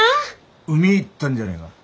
海行ったんじゃねえが？